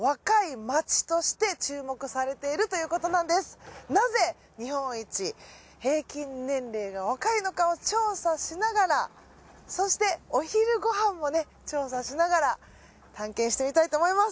今なぜ日本一平均年齢が若いのかを調査しながらそしてお昼ご飯もね調査しながら探検してみたいと思います。